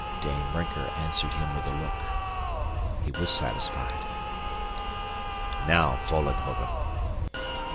Dame Brinker answered him with a look. He was satisfied. "Now, Vollenhoven."